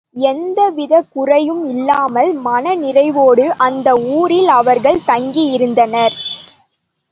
எந்த விதக் குறைவும் இல்லாமல் மன நிறைவோடு அந்த ஊரில் அவர்கள் தங்கி இருந்தனர்.